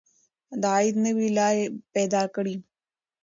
د عاید نوې لارې پیدا کړئ.